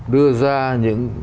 đưa ra những